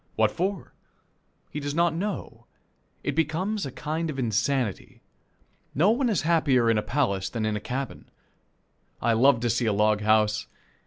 What for? He does not know. It becomes a kind of insanity. No one is happier in a palace than in a cabin. I love to see a log house.